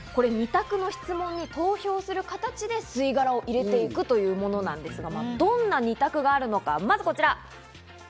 ２択の質問に投票する形で吸い殻を入れていくというものなんですが、どんな２択があるのか、まずこちら。